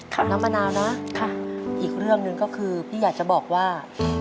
น้ำมะนาวนะอีกเรื่องหนึ่งก็คือพี่อยากจะบอกว่า